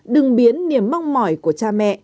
đừng biến niềm mong mỏi của cha mẹ